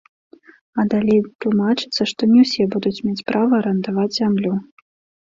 А далей тлумачыцца, што не ўсе будуць мець права арандаваць зямлю.